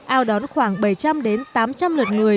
ao đón khoảng bảy trăm linh tám trăm linh lượt người